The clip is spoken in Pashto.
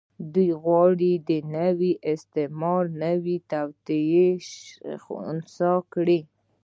دوی غواړي د نوي استعمار نوې توطيې خنثی کړي.